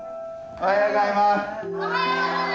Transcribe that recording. おはようございます！